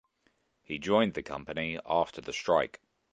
He joined the company after the strike.